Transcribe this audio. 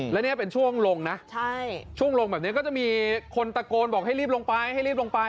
และนี่เป็นช่วงลงนะช่วงลงแบบนี้ก็จะมีคนตะโกนบอกให้รีบลงไปให้รีบลงไป